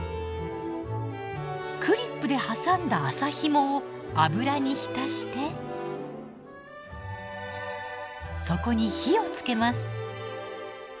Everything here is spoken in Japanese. クリップで挟んだ麻ひもを油に浸してそこに火をつけます。